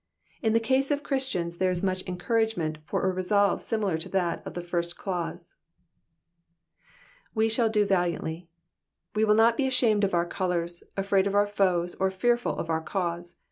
In the case of Christians there is much encourage ment for a resolve similar to that of the first clause. ''^We shall do valiantly y'''' we will not be ashamed of our colours, afraid of our foes, or fearful of our cause.